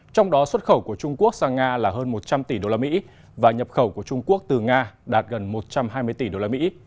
trong đó xuất khẩu của trung quốc sang nga là hơn một trăm linh tỷ đô la mỹ và nhập khẩu của trung quốc từ nga đạt gần một trăm hai mươi tỷ đô la mỹ